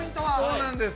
◆そうなんです。